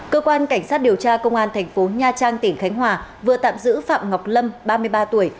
cơ quan cảnh sát điều tra công an thành phố nha trang tỉnh khánh hòa vừa tạm giữ phạm ngọc lâm ba mươi ba tuổi